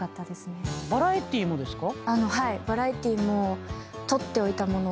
どバラエティーですね。